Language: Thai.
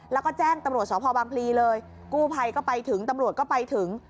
แล้วก็แจ้งตำรวจสพบางพลีเลยกู้ภัยก็ไปถึงตำรวจก็ไปถึง